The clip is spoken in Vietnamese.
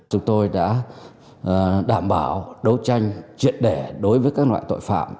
chúng tôi đã đảm bảo đấu tranh triệt để đối với các loại tội phạm